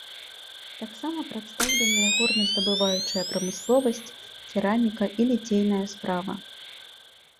Таксама прадстаўленыя горназдабываючая прамысловасць, кераміка і ліцейная справа.